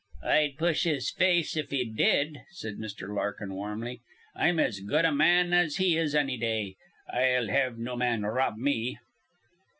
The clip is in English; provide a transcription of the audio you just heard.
"I'd push his face in if he did," said Mr. Larkin, warmly. "I'm as good a ma an as he is anny day. I'll have no man rob me."